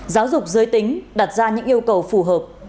giáo dục giới tính đặt ra những yêu cầu phù hợp